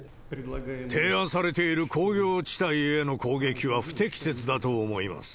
提案されている工業地帯への攻撃は不適切だと思います。